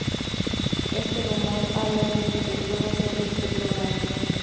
Este rumor habla de un videojuego sobre este programa.